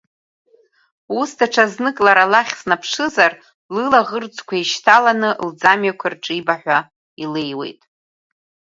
Ус, даҽа знык лара лахь снаԥшызар, лылаӷырӡқәа еишьҭаланы лӡамҩақәа ирҿибаҳәа илеиуеит.